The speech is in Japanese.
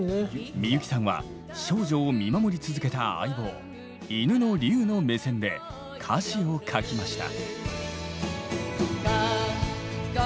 みゆきさんは少女を見守り続けた相棒犬のリュウの目線で歌詞を書きました。